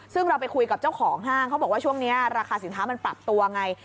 ซึ่งเราไปคุยกับเจ้าของห้างเขาบอกว่าช่วงนี้ราคาสินค้ามันปรับตัวไง